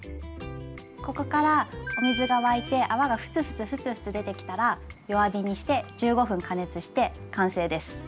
ここからお水が沸いて泡がフツフツフツフツ出てきたら弱火にして１５分加熱して完成です。